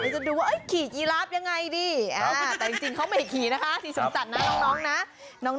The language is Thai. จะดูว่าขี่ยีราฟยังไงดีแต่จริงเขาไม่ขี่นะคะสีสันนะน้องนะ